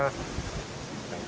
kita akan melangkah sesuai